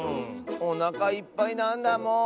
おなかいっぱいなんだもん！